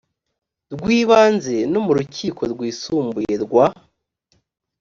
rw ibanze no mu rukiko rwisumbuye rwa